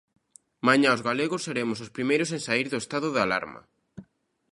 Mañá os galegos seremos os primeiros en saír do estado de alarma.